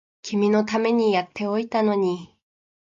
君のためにやっておいたのに